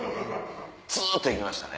ツっ！と行きましたね。